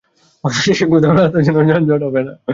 বাংলাদেশের কোথাও রাস্তার জন্য যানজট হবে না।